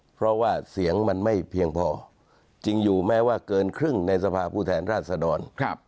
เพราะว่าเสียงมันไม่เพียงพอจริงอยู่แม้ว่าเกินครึ่งในสภาพผู้แทนราชดร